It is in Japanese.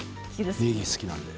ねぎ大好きなので。